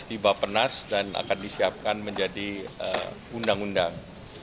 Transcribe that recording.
tiba tiba penas dan akan disiapkan menjadi undang undang